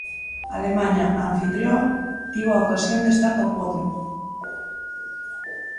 Alemaña, a anfitrioa, tivo a ocasión de estar do podio.